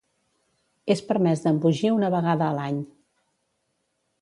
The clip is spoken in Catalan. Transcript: És permès d'embogir una vegada a l'any.